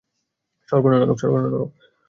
স্বর্গ না নরক?